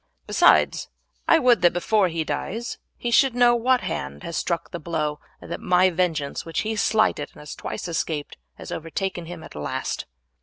Besides, I would that before he dies he should know what hand has struck the blow, and that my vengeance, which he slighted and has twice escaped, has overtaken him at last."